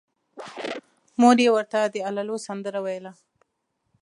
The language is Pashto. مور یې ورته د اللاهو سندره ویله